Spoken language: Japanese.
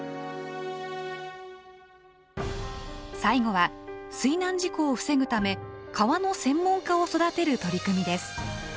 最後は水難事故を防ぐため川の専門家を育てる取り組みです。